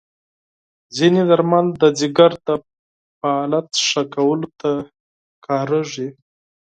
ځینې درمل د جګر د فعالیت ښه کولو ته کارېږي.